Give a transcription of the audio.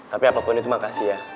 tapi apapun itu makasih ya